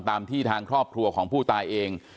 ตามที่ทางครอบครัวของผู้ตายเอง